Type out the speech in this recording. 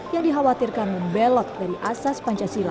yang dikhawatirkan membelot dari asas pancasila